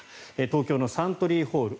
東京のサントリーホール